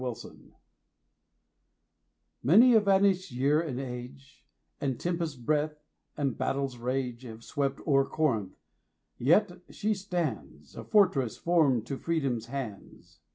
CORINTH Many a vanished year and age, And tempest's breath, and battle's rage, Have swept o'er Corinth; yet she stands, A fortress formed to Freedom's hands.